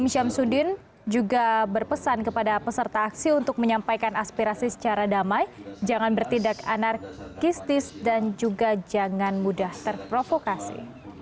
syamsuddin juga berpesan kepada peserta aksi untuk menyampaikan aspirasi secara damai jangan bertindak anarkistis dan juga jangan mudah terprovokasi